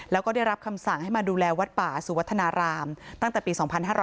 แล้วก็ได้รับคำสั่งให้มาดูแลวัดป่าสุวัฒนารามตั้งแต่ปี๒๕๕๙